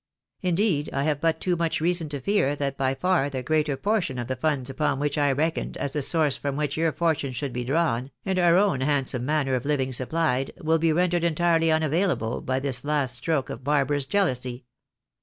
Indeed, I have but too much reason to fear that by far the greater portion of the funds upon which I reckoned as the source from which your fortmie should be drawn, and our own handsome manner of living supplied, will be rendered entirely unavailable by tMs last stroke of barbarous jealousy.